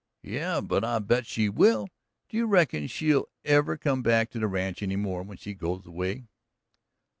"Yeh, but I bet she will. Do you reckon she'll ever come back to the ranch any more when she goes away?"